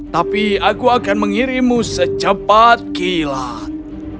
tapi aku akan mengirimu secepat kilat